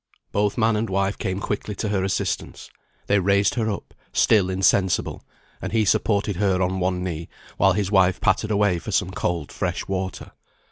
Both man and wife came quickly to her assistance. They raised her up, still insensible, and he supported her on one knee, while his wife pattered away for some cold fresh water.